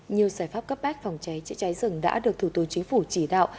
nhiều giải pháp cấp bách phòng cháy chữa cháy rừng đã được thủ tướng chính phủ chỉ đạo